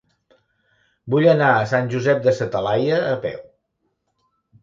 Vull anar a Sant Josep de sa Talaia a peu.